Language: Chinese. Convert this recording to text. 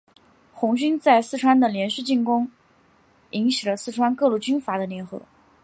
红军在四川的连续进攻引起了四川各路军阀的联合。